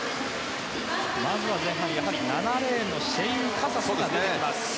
まずは前半、７レーンのシャイン・カサスが出てきます。